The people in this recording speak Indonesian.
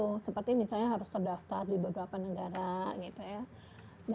ya seperti misalnya harus terdaftar di beberapa negara gitu ya